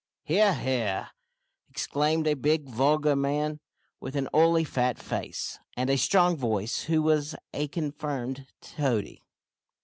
"He ar, he ar!" exclaimed a big vulgar man, with an oily fat face and a strong voice, who was a confirmed toady.